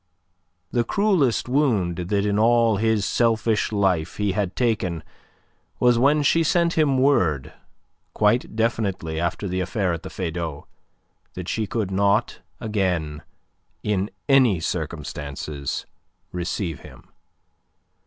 The cruelest wound that in all his selfish life he had taken was when she sent him word, quite definitely after the affair at the Feydau, that she could not again in any circumstances receive him.